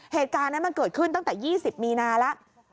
เหตุการณ์นั้นมันเกิดขึ้นตั้งแต่๒๐มีนาแล้ว